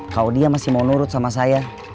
kalau dia masih mau nurut sama saya